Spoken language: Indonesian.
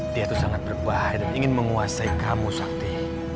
dia itu sangat berbahaya dan ingin menguasai kamu sakti